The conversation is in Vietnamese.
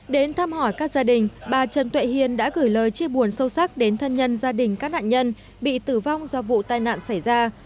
đến thăm hỏi các gia đình bà trần tuệ hiền đã gửi lời chia buồn sâu sắc đến thân nhân gia đình các nạn nhân bị tử vong do vụ tai nạn xảy ra